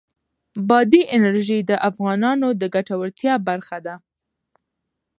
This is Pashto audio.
بادي انرژي د افغانانو د ګټورتیا برخه ده.